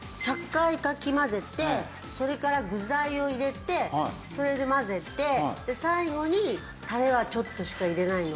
１００回かき混ぜてそれから具材を入れてそれで混ぜてで最後にタレはちょっとしか入れないの。